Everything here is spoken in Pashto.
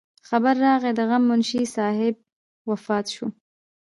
خبر راغے د غم منشي صاحب وفات شو